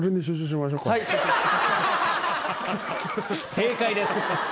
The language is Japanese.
正解です。